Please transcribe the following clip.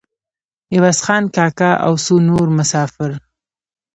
عوض خان کاکا او څو نور مسافر.